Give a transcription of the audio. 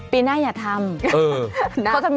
ปีหน้าอย่าทำ